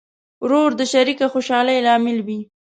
ورور د شریکه خوشحالۍ لامل وي.